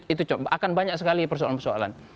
itu coba akan banyak sekali persoalan persoalan